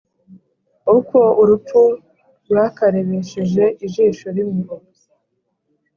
uko urupfu rwakarebesheje ijisho rimwe